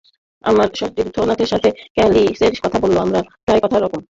আমার সতীর্থদের মধ্যে ক্যালিসের কথা বলব, আমাদের টেকনিক প্রায় একই রকম।